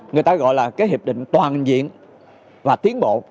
người ta gọi là cái hiệp định toàn diện và tiến bộ